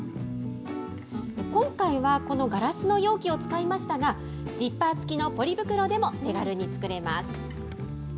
今回はこのガラスの容器を使いましたが、ジッパー付きのポリ袋でも、手軽に作れます。